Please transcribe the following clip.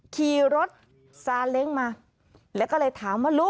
ขี้รถซาเล็งมา